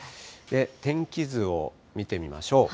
天気図を見てみましょう。